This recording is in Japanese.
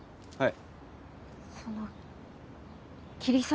はい！